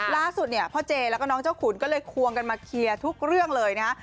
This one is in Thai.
ล่าสุดเนี่ยพ่อเจแล้วก็น้องเจ้าขุนก็เลยควงกันมาเคลียร์ทุกเรื่องเลยนะฮะ